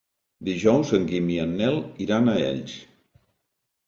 Dijous en Guim i en Nel iran a Elx.